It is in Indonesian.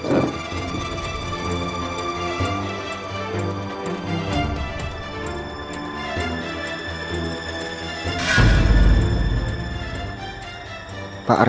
saya mau ke kantor